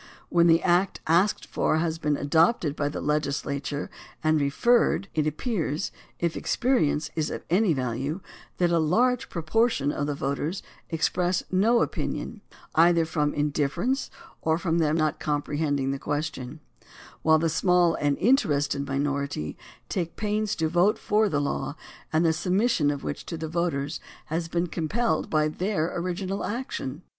When the act asked for has been adopted by the legislature and referred, it appears, if experience is of any value, that a large proportion of 90 COMPULSORY INITIATIVE AND REFERENDUM the voters express no opinion, either from indifference or from not comprehending the question, while the small and interested minority take pains to vote for the law, the submission of which to the voters has been compelled by their original action.